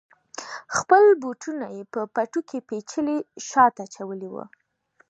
خپل بوټونه یې په پټو کې پیچلي شاته اچولي وه.